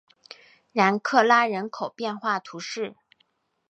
然克拉人口变化图示